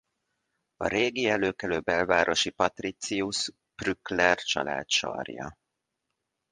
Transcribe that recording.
A régi előkelő belvárosi patricius Prückler család sarja.